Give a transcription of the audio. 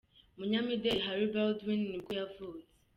Umunyamideli Hailey Baldwin nibwo yavutse.